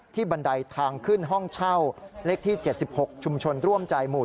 บันไดทางขึ้นห้องเช่าเลขที่๗๖ชุมชนร่วมใจหมู่